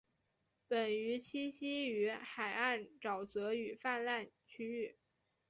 本鱼栖息于海岸沼泽与泛滥区域。